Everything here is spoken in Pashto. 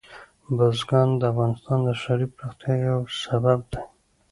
بزګان د افغانستان د ښاري پراختیا یو سبب دی.